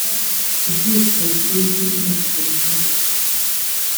ibyifuzo by inteko nkuru